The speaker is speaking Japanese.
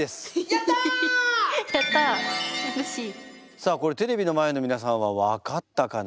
さあこれテレビの前の皆さんは分かったかな？